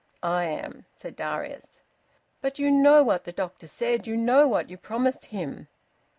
"I am," said Darius. "But you know what the doctor said! You know what you promised him!"